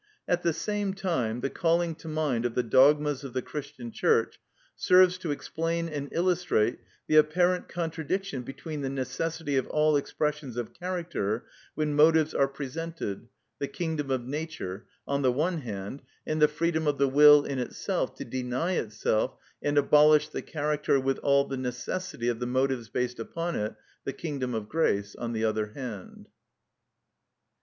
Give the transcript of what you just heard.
At the same time the calling to mind of the dogmas of the Christian Church serves to explain and illustrate the apparent contradiction between the necessity of all expressions of character when motives are presented (the kingdom of Nature) on the one hand, and the freedom of the will in itself, to deny itself, and abolish the character with all the necessity of the motives based upon it (the kingdom of grace) on the other hand.